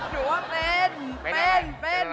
หนูว่าเป็น